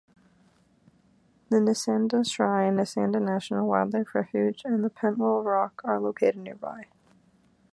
The Necedah Shrine, Necedah National Wildlife Refuge, and the Petenwell Rock are located nearby.